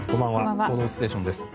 「報道ステーション」です。